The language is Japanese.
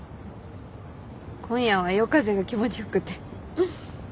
今夜は夜風が気持ち良くて。